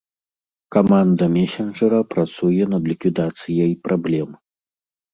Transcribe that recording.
Каманда месенджара працуе над ліквідацыяй праблем.